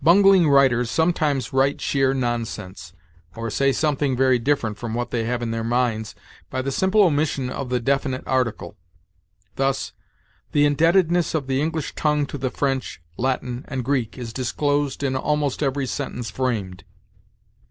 THE. Bungling writers sometimes write sheer nonsense, or say something very different from what they have in their minds, by the simple omission of the definite article; thus, "The indebtedness of the English tongue to the French, Latin and Greek is disclosed in almost every sentence framed."